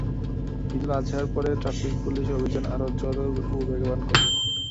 ঈদুল আজহার পরে traffic police অভিযান আরও জোরালো ও বেগবান করবে।